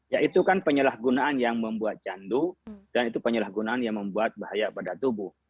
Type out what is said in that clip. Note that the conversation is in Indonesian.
yaitu kan penyalahgunaan yang membuat candu dan itu penyalahgunaan yang membuat bahaya pada tubuh